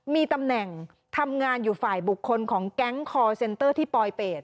มีตำแหน่งทำงานอยู่ฝ่ายบุคคลของแก๊งคอร์เซ็นเตอร์ที่ปลอยเป็ด